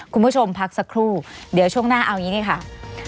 คุณผู้ชมพักสักครู่เดี๋ยวช่วงหน้าเอาอย่างนี้นี่ค่ะ